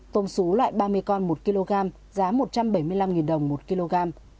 tôm xú loại ba mươi con một kg giá một trăm bảy mươi năm đồng một kg